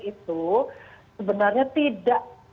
itu sebenarnya tidak